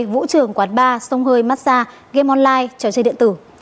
vũ trường quán ba sông hơi massage game online trò chơi điện tử